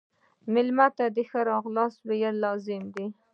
مېلمه ته ښه راغلاست ویل لازم دي.